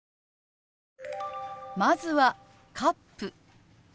まずは「カップ」。